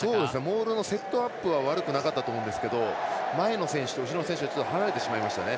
モールのセットアップは悪くなかったと思うんですけど前の選手と後ろの選手が離れてしまいましたね。